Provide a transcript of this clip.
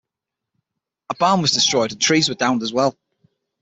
A barn was destroyed and trees were downed as well.